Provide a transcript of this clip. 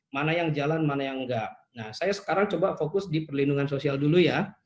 mana yang jalan mana yang enggak nah saya sekarang coba fokus di perlindungan sosial dulu ya